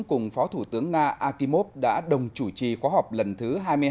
cùng phó thủ tướng nga akimov đã đồng chủ trì khóa học lần thứ hai mươi hai